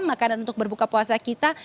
makanan untuk berbuka puasa kita